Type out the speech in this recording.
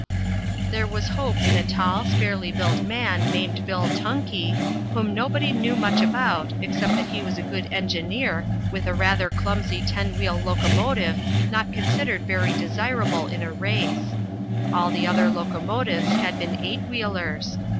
There was hope in a tall, sparely built man named Bill Tunkey, whom nobody knew much about except that he was a good engineer with a rather clumsy ten wheel locomotive not considered very desirable in a race. All the other locomotives had been eight wheelers.